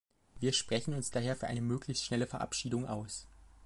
Wir sprechen uns daher für eine möglichst schnelle Verabschiedung aus.